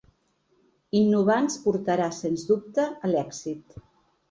Innovar ens portarà, sens dubte, a l’èxit.